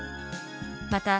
また、